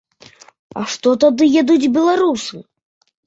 А што тады ядуць беларусы?